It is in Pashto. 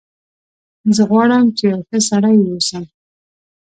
زه غواړم چې یو ښه سړی و اوسم